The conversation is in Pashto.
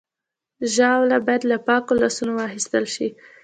ژاوله باید له پاکو لاسونو واخیستل شي.